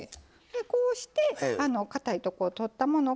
でこうしてかたいとこ取ったもの